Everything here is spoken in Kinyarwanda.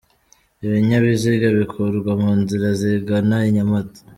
Ibinyabiziga bikurwa mu nzira zigana i Nyamata.